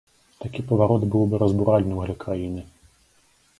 Такі паварот быў бы разбуральным для краіны!